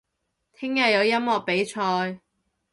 聽日有音樂比賽